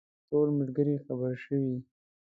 ټول ملګري خبر شوي.